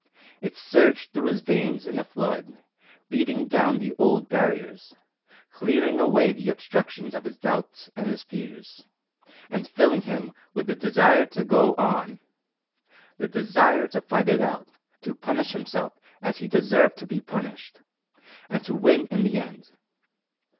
It surged through his veins in a flood, beating down the old barriers, clearing away the obstructions of his doubts and his fears, and filling him with the desire to go on the desire to fight it out, to punish himself as he deserved to be punished, and to win in the end.